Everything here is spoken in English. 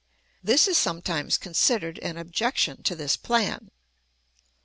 This is sometimes considered an objection to this plan.